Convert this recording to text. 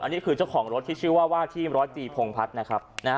อันนี้คือเจ้าของรถที่ชื่อว่าว่าที่รถจีพงพัฒนะครับนะฮะ